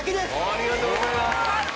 ありがとうございます！